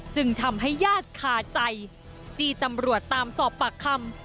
จึงทำให้ญาติคาใจจี้ตำรวจตามสอบปากคำ